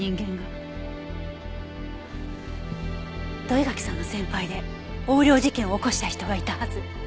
土居垣さんの先輩で横領事件を起こした人がいたはず。